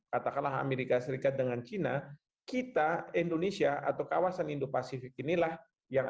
katakanlah amerika serikat dengan cina kita indonesia atau kawasan indo pasifik inilah yang